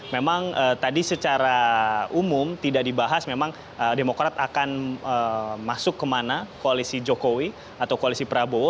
memang tadi secara umum tidak dibahas memang demokrat akan masuk kemana koalisi jokowi atau koalisi prabowo